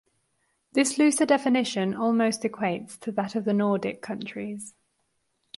This looser definition almost equates to that of the Nordic countries.